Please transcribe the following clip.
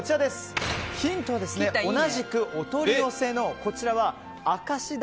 ヒントは同じくお取り寄せの明石だ